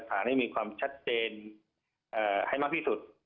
ฐานให้มีความชัดเจนให้มากที่สุด